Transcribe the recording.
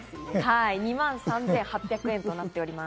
２万３８００円となっております。